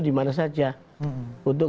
dimana saja untuk